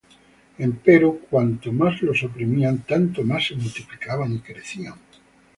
Empero cuanto más los oprimían, tanto más se multiplicaban y crecían.